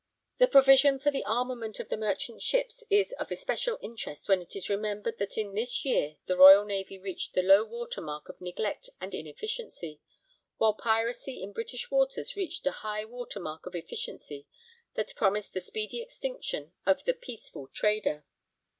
The provision for the armament of the merchant ships is of especial interest when it is remembered that in this year the Royal Navy reached the low water mark of neglect and inefficiency, while piracy in British waters reached a high water mark of efficiency that promised the speedy extinction of the peaceful trader.